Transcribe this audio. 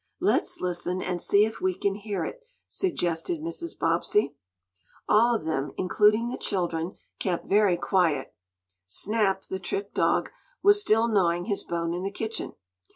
"Let's listen and see if we can hear it," suggested Mrs. Bobbsey. All of them, including the children, kept very quiet. Snap, the trick dog, was still gnawing his bone in the kitchen.